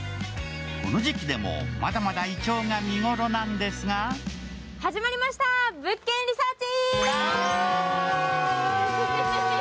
この時期でもまだまだいちょうが見頃なんですが始まりました「物件リサーチ」。